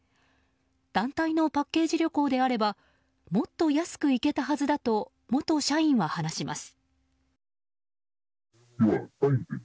団体のパッケージ旅行であればもっと安く行けたはずだと元社員は話します。